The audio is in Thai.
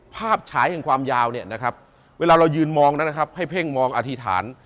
ภาพฉายของความยาวในเวลาเรายืนมองิงมองอธิษฐาน